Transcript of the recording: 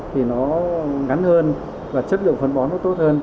thì nó ngắn hơn và chất lượng phân bón nó tốt hơn